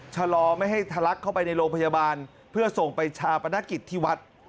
ชะลอไม่ให้ทะลักเข้าไปในโรงพยาบาลเพื่อส่งไปชาปนกิจที่วัด